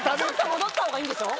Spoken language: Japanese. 戻った方がいいんでしょ。